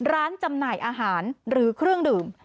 จำหน่ายอาหารหรือเครื่องดื่ม